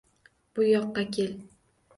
Buyoqqa kel!